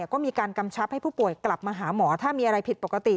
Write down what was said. ก็มีการกำชับให้ผู้ป่วยกลับมาหาหมอถ้ามีอะไรผิดปกติ